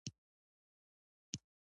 تاریخ لوستلو ته اړتیا لري